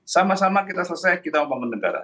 sama sama kita selesai kita membangun negara